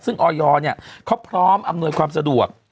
ซึ่งอยบอกว่าเค้าพร้อมอำนวยความสะดวก